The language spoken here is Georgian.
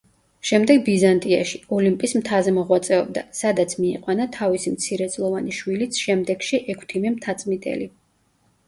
შემდეგ ბიზანტიაში, ოლიმპის მთაზე მოღვაწეობდა, სადაც მიიყვანა თავისი მცირეწლოვანი შვილიც, შემდეგში, ექვთიმე მთაწმიდელი.